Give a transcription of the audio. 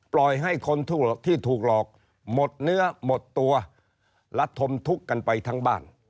ปล่อยให้คนที่ถูกหลอกหมดเนื้อหมดตัวและทมทุกข์กันไปทั้งบ้าน